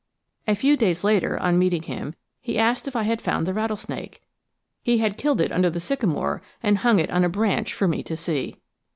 A few days later, on meeting him, he asked if I had found the rattlesnake he had killed it under the sycamore and hung it on a branch for me to see.